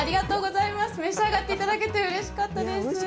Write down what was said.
召し上がっていただけてうれしかったです。